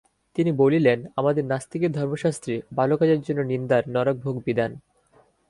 তিনি বলিলেন, আমাদের নাস্তিকের ধর্মশাস্ত্রে ভালো কাজের জন্য নিন্দার নরকভোগ বিধান।